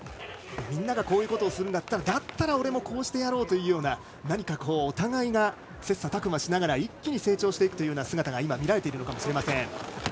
みんながこういうことをするんだったらだったら俺もこうしてやろうとお互いが切さたく磨しながら一気に成長していく姿が見られているのかもしれません。